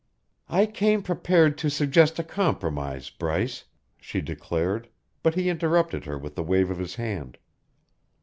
"I came prepared to suggest a compromise, Bryce," she declared, but he interrupted her with a wave of his hand.